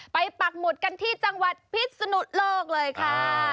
ไปปากหมดกันที่จังหวัดพิษนุษย์โลกเลยค่ะ